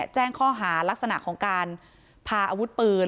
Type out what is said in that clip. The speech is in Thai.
แจ้งข้อหารักษณะของการพาอาวุธปืน